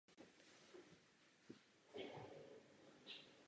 Dalším okruhem jeho působnosti byly moderní dějiny československé.